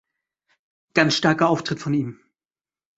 Ganz starker Auftritt von ihm!